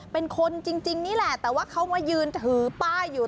เป็นคนจริงนี่แหละแต่ว่าเขามายืนถือป้ายอยู่